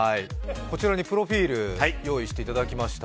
こちらにプロフィール用意していただきました。